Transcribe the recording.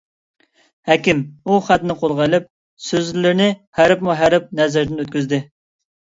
ھەكىم ئۇ خەتنى قولىغا ئېلىپ، سۆزلىرىنى ھەرپمۇ ھەرپ نەزىرىدىن ئۆتكۈزۈپتۇ.